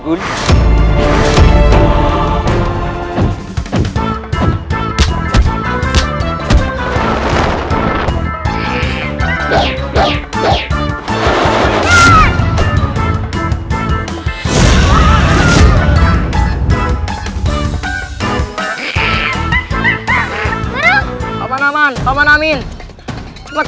kamu mau membunuh ayahku